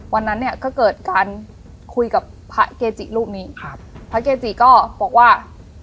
วันนั้นเนี่ยก็เกิดการคุยกับพระเกจิรูปนี้ครับพระเกจิก็บอกว่า